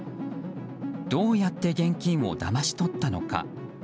どうやって現金をだまし取ったのか。